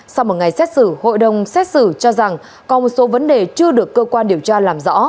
sau một ngày xét xử hội đồng xét xử cho rằng còn một số vấn đề chưa được cơ quan điều tra làm rõ